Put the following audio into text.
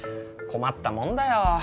困ったもんだよ。